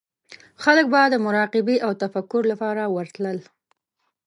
خلک به د مراقبې او تفکر لپاره ورتلل.